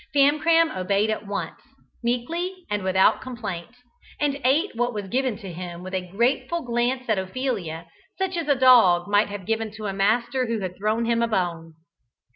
Famcram obeyed at once, meekly and without complaint, and ate what was given to him with a grateful glance at Ophelia, such as a dog might have given to a master who had thrown him a bone.